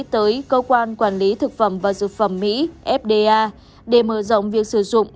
tới cơ quan quản lý thực phẩm và dược phẩm mỹ fda để mở rộng việc sử dụng